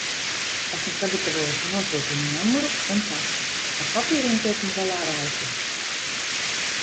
Esmu sagatavojusi nosūtījuma numuru un pasi, ar papīriem tiekam galā raiti.